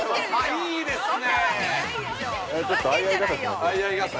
◆いいですね。